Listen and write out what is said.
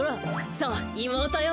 さあいもうとよ